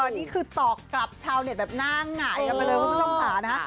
นี่คือตอกกับชาวเน็ตแบบน่างไหงกันเลยคุณผู้ชมภานะ